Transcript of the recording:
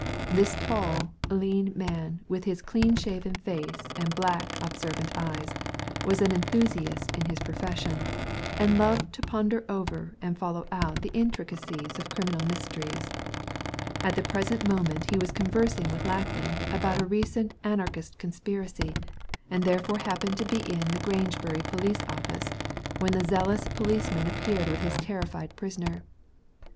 This tall, lean man with his clean shaven face and black, observant eyes was an enthu siast in his profession, and loved to ponder over and follow out the intricacies of criminal mysteries. At the present moment he was conversing with Lack land about a recent Anarchist conspiracy, and Digitized by Google TRAGEDY OF THE STRANGE ROOM 5 therefore happened to be In the Grangebury Police Office when the zealous poh'ceman appeared with his terrified prisoner.